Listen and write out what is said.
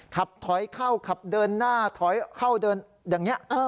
ขับถอยเข้าขับเดินหน้าถอยเข้าเดินอย่างนี้